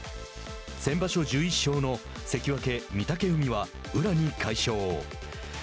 先場所１１勝の関脇・御嶽海は宇良に快勝。